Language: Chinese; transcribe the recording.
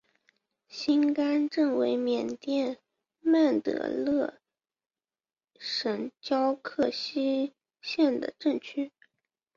辛甘镇为缅甸曼德勒省皎克西县的镇区。